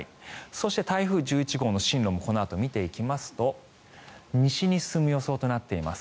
そして、台風１１号の進路もこのあと見ていきますと西に進む予想となっています。